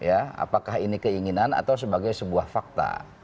apakah ini keinginan atau sebagai sebuah fakta